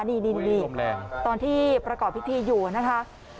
นี่ตอนที่ประกอบพิธีอยู่นะคะ